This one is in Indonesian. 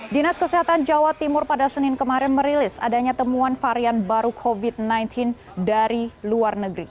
dinas kesehatan jawa timur pada senin kemarin merilis adanya temuan varian baru covid sembilan belas dari luar negeri